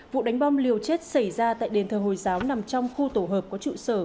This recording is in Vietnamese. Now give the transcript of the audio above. vụ đánh bom liều chết xảy ra tại đền thờ hồi giáo nằm trong khu tổ hợp có trụ sở